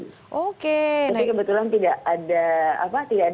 tapi kebetulan tidak ada